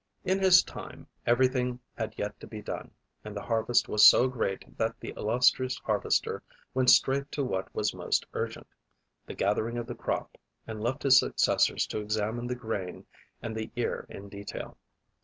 In his time, everything had yet to be done; and the harvest was so great that the illustrious harvester went straight to what was most urgent, the gathering of the crop, and left his successors to examine the grain and the ear in detail.